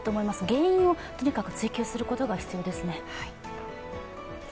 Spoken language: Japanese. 原因をとにかく追及することが必要ですね。